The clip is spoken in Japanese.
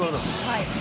「はい」